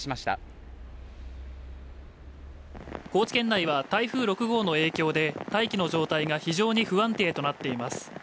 高知県内は台風６号の影響で大気の状態が非常に不安定となっています